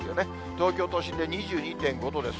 東京都心で２２．５度です。